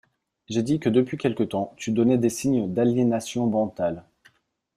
J’ai dit que depuis quelque temps tu donnais des signes d’aliénation mentale.